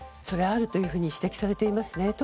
それはあるというふうに指摘されていますね。